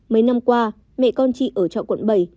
mấy năm qua mẹ con chị ở trọ quận bảy